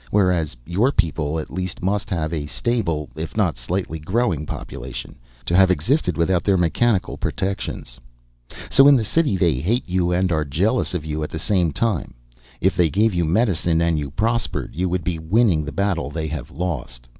Whereas your people at least must have a stable if not slightly growing population to have existed without their mechanical protections. So in the city they hate you and are jealous of you at the same time. If they gave you medicine and you prospered, you would be winning the battle they have lost.